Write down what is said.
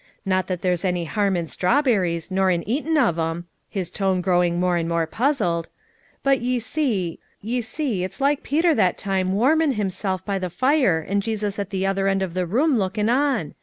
Not that there's any harm in strawberries, nor in eatin' of 'em' — his tone growing more and more puzzled — 'but ye see, — ye see, it's like Peter that time warmin' hisself by the fire and Jesus at the other end of the room lookin' on.